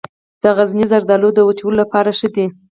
د غزني زردالو د وچولو لپاره ښه دي.